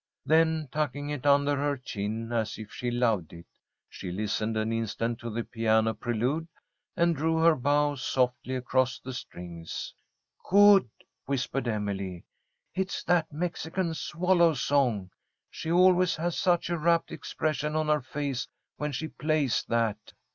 Then, tucking it under her chin as if she loved it, she listened an instant to the piano prelude, and drew her bow softly across the strings. "Good!" whispered Emily. "It's that Mexican swallow song. She always has such a rapt expression on her face when she plays that.